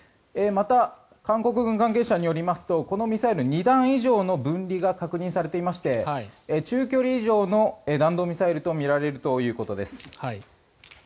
また、韓国軍関係者によりますとこのミサイル、２段以上の分離が確認されていまして中距離以上の弾道ミサイルとみられるということです。